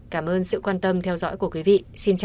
cảm ơn sự quan tâm theo dõi của quý vị xin chào và hẹn gặp lại